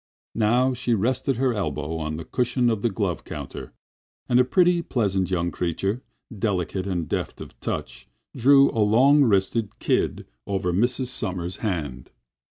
Now she rested her elbow on the cushion of the glove counter, and a pretty, pleasant young creature, delicate and deft of touch, drew a long wristed "kid" over Mrs. Sommers's hand.